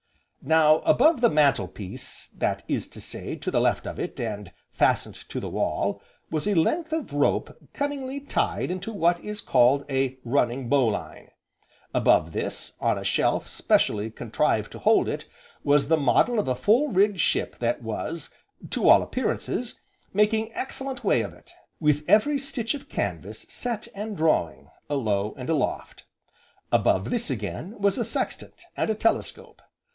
Now above the mantel piece, that is to say, to the left of it, and fastened to the wall, was a length of rope cunningly tied into what is called a "running bowline," above this, on a shelf specially contrived to hold it, was the model of a full rigged ship that was to all appearances making excellent way of it, with every stitch of canvas set and drawing, alow and aloft; above this again, was a sextant, and a telescope.